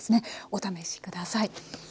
お試し下さい。